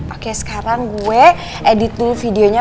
pakai sekarang gue edit dulu videonya